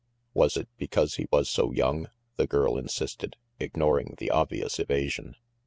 "Was it because he was so young?" the girl insisted, ignoring the obvious evasion.